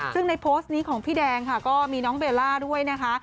ซึ่งในโพสต์นี้ของพี่แดงค่ะก็มีน้องเบลล่าด้วยนะคะ